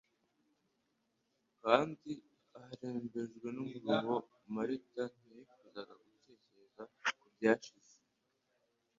kandi harembejwe n'umuruho. Marita ntiyifuzaga gutekereza ku byashize.